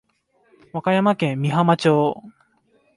和歌山県美浜町